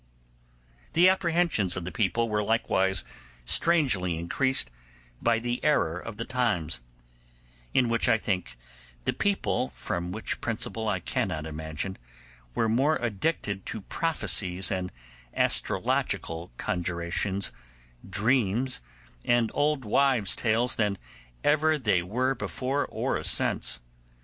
The apprehensions of the people were likewise strangely increased by the error of the times; in which, I think, the people, from what principle I cannot imagine, were more addicted to prophecies and astrological conjurations, dreams, and old wives' tales than ever they were before or since.